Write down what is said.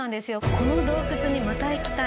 この洞窟にまた行きたい。